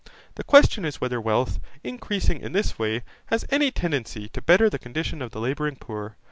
The question is whether wealth, increasing in this way, has any tendency to better the condition of the labouring poor.